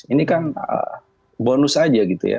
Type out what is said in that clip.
ini kan bonus aja gitu ya